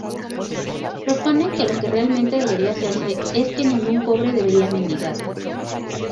Propone que lo que realmente debería hacerse es que ningún pobre debería mendigar.